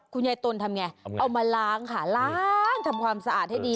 ยายตนทำไงเอามาล้างค่ะล้างทำความสะอาดให้ดี